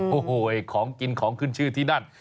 โอ้โหของกินของขึ้นชื่อที่นั่น